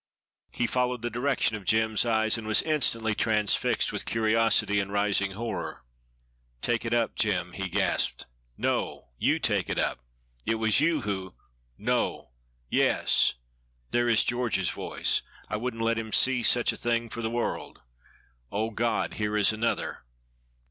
He followed the direction of Jem's eyes, and was instantly transfixed with curiosity and rising horror. "Take it up, Jem," he gasped. "No, you take it up! it was you who " "No yes! there is George's voice. I wouldn't let him see such a thing for the world. Oh, God! here is another."